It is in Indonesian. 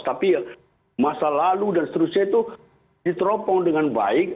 tapi masa lalu dan seterusnya itu diteropong dengan baik